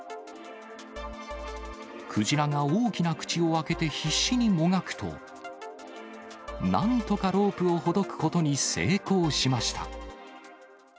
クジラが大きな口を開けて必死にもがくと、なんとかロープをほどくことに成功しました。